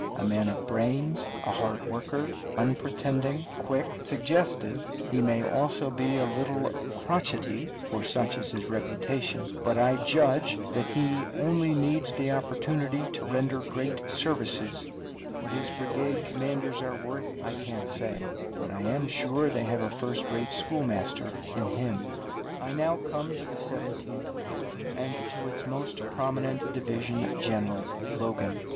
A man of brains, a hard worker, unpretending, quick, suggestive, he may also be a little crotchety, for such is his reputation; but I judge that he only needs the opportunity to render great services. What his brigade commanders are worth I can't say, but I am sure they have a first rate schoolmaster in him. I now come to the Seventeenth Corps and to its most prominent division general, Logan.